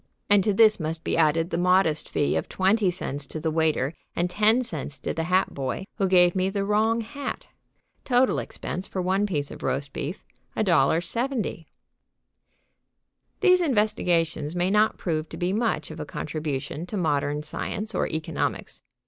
And to this must be added the modest fee of twenty cents to the waiter and ten cents to the hat boy who gave me the wrong hat. Total expense for one piece of roast beef, $1.70. These investigations may not prove to be much of a contribution to modern science or economics.